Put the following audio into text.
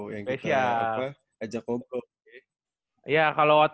yang kita ajak ngobrol